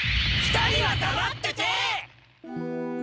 ２人はだまってて！